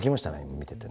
見ててね。